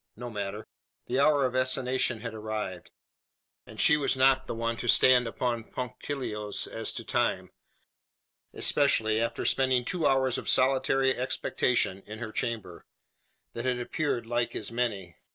No matter. The hour of assignation had arrived; and she was not the one to stand upon punctilios as to time especially after spending two hours of solitary expectation in her chamber, that had appeared like as many.